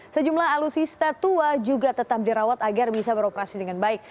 sejumlah alutsista tua juga tetap dirawat agar bisa beroperasi dengan baik